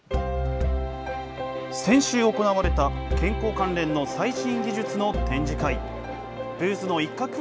先週、行われた健康関連の最新技術の展示会。